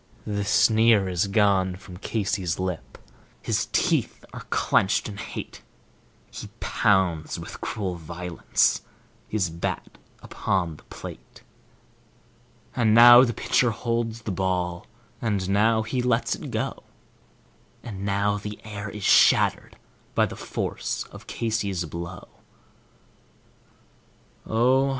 The sneer is gone from Casey's lip; his teeth are clenched in hate; He pounds with cruel violence his bat upon the plate. And now the pitcher holds the ball, and now he lets it go, And now the air is shattered by the force of Casey's blow. Oh!